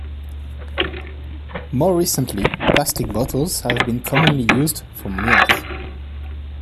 More recently, plastic bottles have been commonly used for milk.